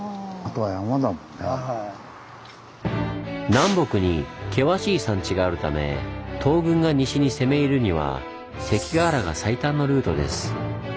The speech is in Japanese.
南北に険しい山地があるため東軍が西に攻め入るには関ケ原が最短のルートです。